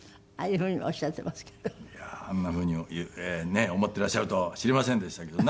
いやあんなふうにねえ思っていらっしゃると知りませんでしたけど。